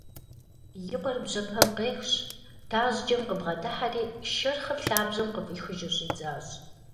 И къуэр бжьэпэм къехщ, тажьджэм къыбгъэдыхьэри шэрхъыр лъабжьэм къыфӀихыжу щӀидзащ.